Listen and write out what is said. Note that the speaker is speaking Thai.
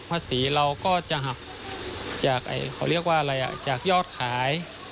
ภาษีเราก็จะหักจากยอดขาย